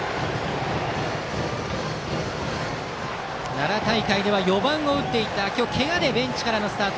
奈良大会では４番を打っていた今日けがでベンチスタート